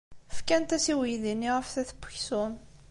Fkant-as i uydi-nni aftat n uksum.